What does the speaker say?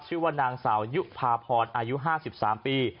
ชื่อว่านางสาวยุภาพรอายุ๕๓ปี